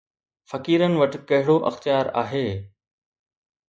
فقيرن وٽ ڪهڙو اختيار آهي؟